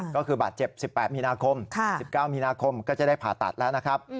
ก็คือบาดเจ็บ๑๘มีนาคม๑๙มีนาคมก็จะได้ผ่าตัดแล้วนะครับ